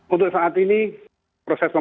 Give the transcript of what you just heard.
untuk saat ini proses pemeriksaan